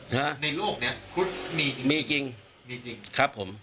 ในโลกเนี่ยครุฑมีจริงครับผม